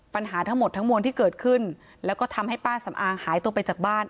ปัญหาทั้งหมดทั้งมวลที่เกิดขึ้นแล้วก็ทำให้ป้าสำอางหายตัวไปจากบ้าน